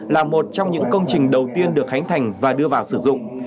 là một trong những công trình đầu tiên được khánh thành và đưa vào sử dụng